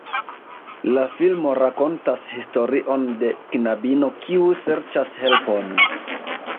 La filmo rakontas historion de knabino kiu serĉas helpon.